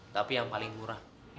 tapi yang paling murah